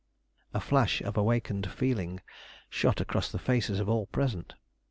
A flash of awakened feeling shot across the faces of all present.